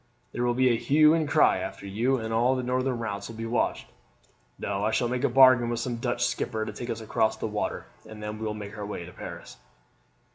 There will be a hue and cry after you, and all the northern routes will be watched. No, I shall make a bargain with some Dutch skipper to take us across the water, and then we will make our way to Paris."